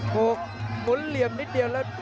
หกหมุนเหลี่ยมนิดเดียวแล้ว